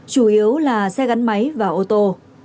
chủ yếu là xe gắn máy và ô tô